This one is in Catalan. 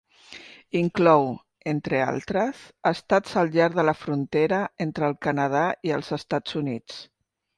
Inclou, entre altres, estats al llarg de la frontera entre el Canadà i els Estats Units.